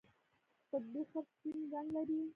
قطبي خرس سپین رنګ لري